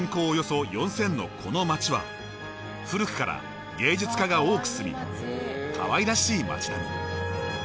およそ４，０００のこの街は古くから芸術家が多く住みかわいらしい町並み。